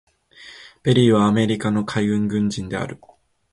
ペリーはアメリカの海軍軍人である。